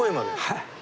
はい。